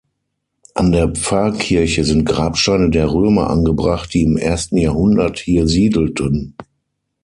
An der Pfarrkirche sind Grabsteine der Römer angebracht, die im ersten Jahrhundert hier siedelten.